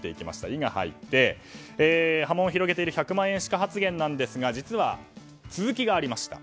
「イ」が入って波紋を広げている１００万円しか発言ですが実は、続きがありました。